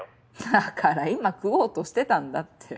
だから今食おうとしてたんだって。